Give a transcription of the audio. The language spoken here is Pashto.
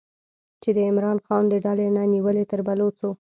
چې د عمران خان د ډلې نه نیولې تر بلوڅو